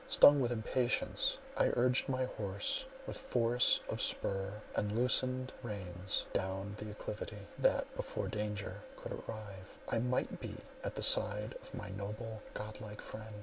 Stung with impatience, I urged my horse with force of spur and loosened reins down the acclivity, that, before danger could arrive, I might be at the side of my noble, godlike friend.